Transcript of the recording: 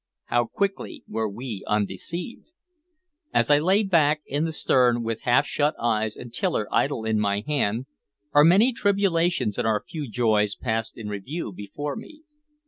How quickly were we undeceived! As I lay back in the stern with half shut eyes and tiller idle in my hand, our many tribulations and our few joys passed in review before me.